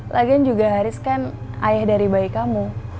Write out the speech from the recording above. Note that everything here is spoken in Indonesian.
lagian juga haris kan ayah dari bayi kamu